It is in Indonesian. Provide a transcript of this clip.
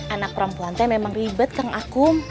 anak perempuannya memang ribet kang akum